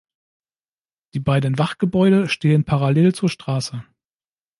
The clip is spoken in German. Die beiden Wachgebäude stehen parallel zur Straße.